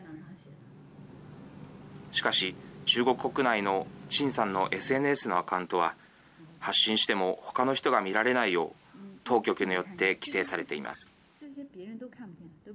しかし、中国国内の陳さんのＳＮＳのアカウントは発信しても他の人が見られないよう当局によって規制されています。